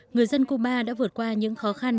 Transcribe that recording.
người dân cuba đã vượt qua những khó khăn